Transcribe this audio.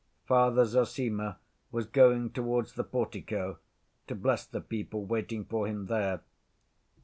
Father Zossima was going towards the portico to bless the people waiting for him there.